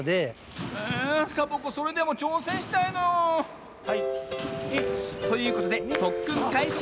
えサボ子それでもちょうせんしたいの。ということでとっくんかいし。